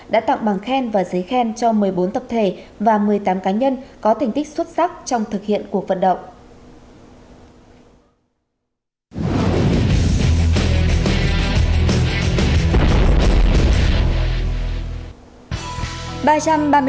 đã tặng bằng khen và giấy khen cho một mươi bốn tập thể và một mươi tám cá nhân có thành tích xuất sắc trong thực hiện cuộc vận động